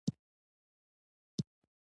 بشپړ کتاب یې خپور کړ.